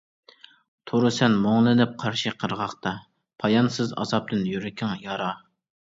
تۇرىسەن مۇڭلىنىپ قارشى قىرغاقتا، پايانسىز ئازابتىن يۈرىكىڭ يارا.